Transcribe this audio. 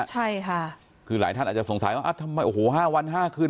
ใช่ค่ะคือหลายท่านอาจจะสงสัยว่าทำไมโอ้โห๕วัน๕คืน